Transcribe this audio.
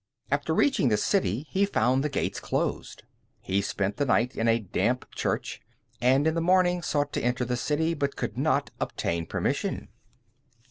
After reaching the city, he found the gates closed. He spent the night in a damp church, and in the morning sought to enter the city, but could not obtain permission.